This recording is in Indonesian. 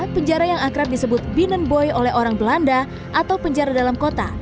penjara yang akrab disebut binen boy oleh orang belanda atau penjara dalam kota